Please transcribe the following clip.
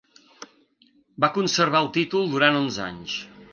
Va conservar el títol durant onze anys.